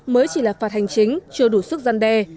mới chỉ là phạt hành chính chưa đủ sức gian đe